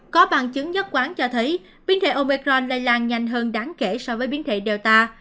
có bằng chứng nhất quán cho thấy biến thể omecron lây lan nhanh hơn đáng kể so với biến thể delta